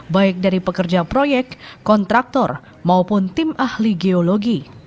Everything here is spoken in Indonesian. baik dari pekerja proyek kontraktor maupun tim ahli geologi